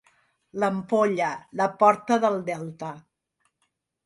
L'Ampolla, la porta del Delta.